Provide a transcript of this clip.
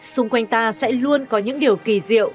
xung quanh ta sẽ luôn có những điều kỳ diệu